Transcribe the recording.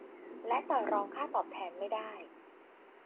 และต่อรองค่าตอบแทนไม่ได้